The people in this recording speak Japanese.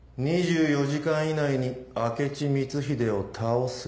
「２４時間以内に明智光秀を倒す」。